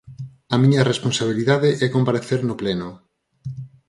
A miña responsabilidade é comparecer no pleno.